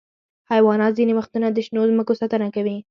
حیوانات ځینې وختونه د شنو ځمکو ساتنه کوي.